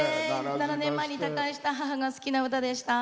７年前に他界した母が好きな歌でした。